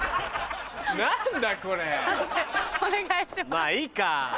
まぁいいか。